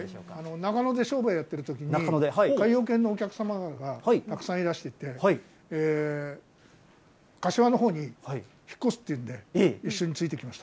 中野で商売やってたときに、海洋研のお客様がたくさんいらしてて、柏のほうに引っ越すっていうんで、一緒についてきました。